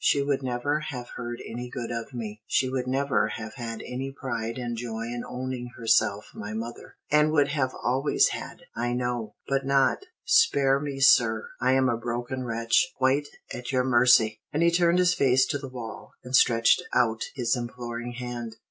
"She would never have heard any good of me. She would never have had any pride and joy in owning herself my mother. Love and compassion she might have had, and would have always had, I know; but not Spare me, sir! I am a broken wretch, quite at your mercy!" And he turned his face to the wall, and stretched out his imploring hand.